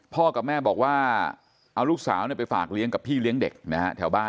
กับแม่บอกว่าเอาลูกสาวไปฝากเลี้ยงกับพี่เลี้ยงเด็กนะฮะแถวบ้าน